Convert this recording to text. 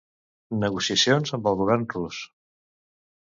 Negociacions amb el govern rus.